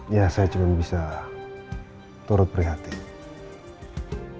ya saya cuma bisa turut prihatin